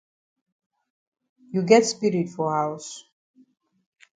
You get spirit for haus?